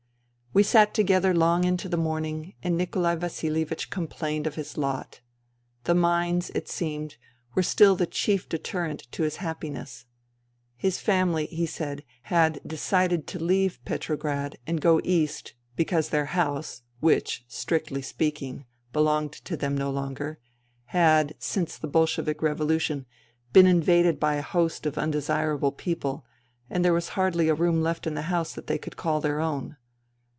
We sat together long into the morning, and Nikolai Vasilievich complained of his lot. The mines, it seemed, were still the chief deterrent to his happi ness. His family, he said, had decided to leave Petrograd and go east because their house, which, strictly speaking, belonged to them no longer, had, since the Bolshevik revolution, been invaded by a host of undesirable people and there was hardly a room left in the house that they could call their own.